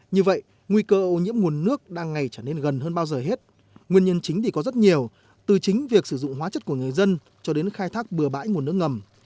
như vậy nguy cơ ô nhiễm nguồn nước đang ngày trở nên gần hơn bao giờ hết nguyên nhân chính thì có rất nhiều từ chính việc sử dụng hóa chất của người dân cho đến khai thác bừa bãi nguồn nước ngầm